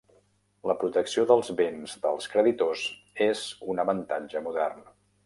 La protecció dels béns dels creditors és un avantatge modern.